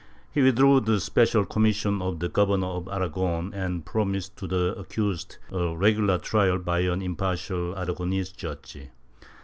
He withdrew the special com mission of the Governor of Aragon and promised to the accused a regular trial by an impartial Aragonese judge.